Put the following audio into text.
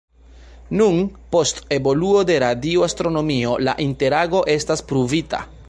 Nun, post evoluo de radio-astronomio la interago estas pruvita.